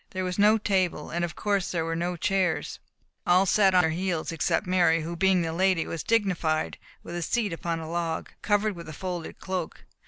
There was no table, and of course there were no chairs. All sat on their heels, except Mary, who being the lady was dignified with a seat upon a log, covered with a folded cloak.